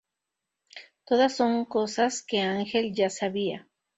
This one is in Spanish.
Todas son cosas que Angel ya sabía.